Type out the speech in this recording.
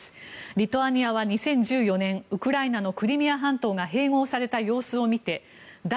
リトアニアは２０１４年ウクライナのクリミア半島が併合された様子を見て脱